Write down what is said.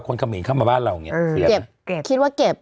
คนเขามีนเข้ามาบ้านเราอย่างเงี้ยเออเก็บเก็บคิดว่าเก็บ